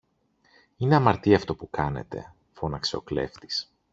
Είναι αμαρτία αυτό που κάνετε φώναξε ο κλέφτης.